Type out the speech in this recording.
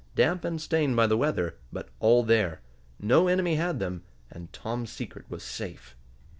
damp and stained by the weather, but all there. No enemy had them, and Tom's secret was safe.